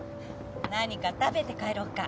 何か食べて帰ろっか。